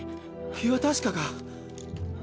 気は確かか？